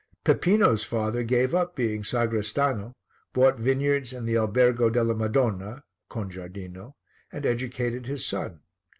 Peppino's father gave up being sagrestano, bought vineyards and the Albergo della Madonna (con giardino) and educated his son.